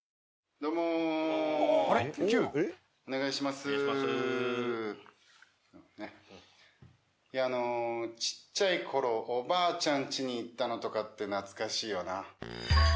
いやあのちっちゃい頃おばあちゃんちに行ったのとかって懐かしいよな。